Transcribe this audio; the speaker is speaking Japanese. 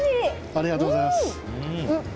ありがとうございます。